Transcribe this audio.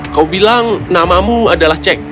kau bilang namamu adalah cek